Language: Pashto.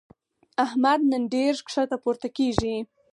احمد نن ډېر ښکته پورته کېږي.